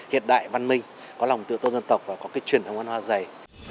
hiệt đại văn minh có lòng tự tôn dân tộc và có truyền thống văn hóa dày